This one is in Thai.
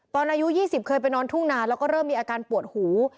อายุ๒๐เคยไปนอนทุ่งนานแล้วก็เริ่มมีอาการปวดหู